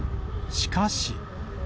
しかし。